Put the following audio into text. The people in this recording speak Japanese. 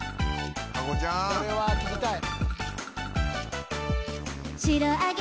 これは聴きたい。